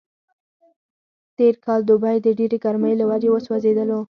تېر کال دوبی د ډېرې ګرمۍ له وجې وسوځېدلو.